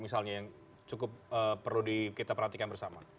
misalnya yang cukup perlu kita perhatikan bersama